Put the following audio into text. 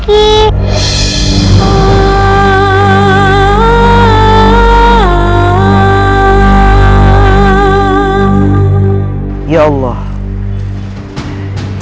aku udah gak punya siapa siapa lagi